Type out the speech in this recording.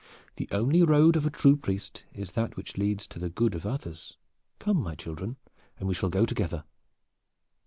"The only road of a true priest is that which leads to the good of others. Come, my children, and we will go together."